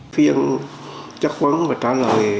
phiên chắc vấn và trả lời